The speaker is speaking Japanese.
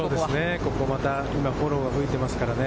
今、またフォローが吹いてますからね。